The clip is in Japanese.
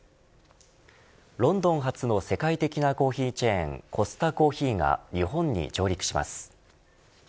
ロンドン発の世界的なコーヒーチェーンコスタコーヒーが日本に上陸します。